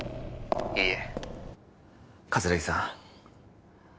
☎いいえ葛城さん